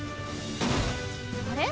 あれ？